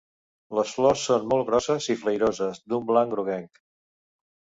Les flors són molt grosses i flairoses d'un blanc groguenc.